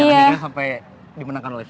yang akhirnya sampai dimenangkan oleh tia